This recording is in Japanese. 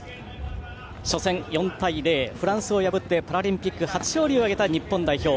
初戦４対０、フランスを破ってパラリンピック初勝利を挙げた日本代表。